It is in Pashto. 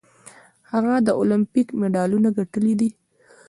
هغه د المپیک مډالونه ګټلي دي.